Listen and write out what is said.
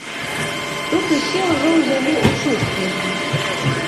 Тут усе ўжо ўзялі ў шух вельмі.